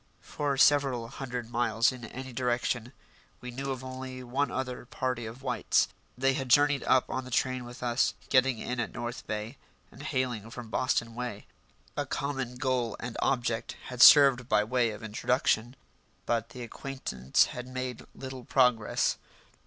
For several hundred miles in any direction we knew of only one other party of whites. They had journeyed up on the train with us, getting in at North Bay, and hailing from Boston way. A common goal and object had served by way of introduction. But the acquaintance had made little progress.